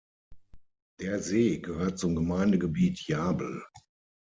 Der See gehört zum Gemeindegebiet Jabel.